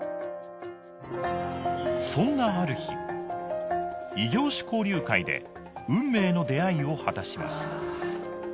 そんなある日「異業種交流会」で運命の出会いをはたします